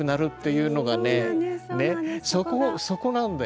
ねそこなんだよ。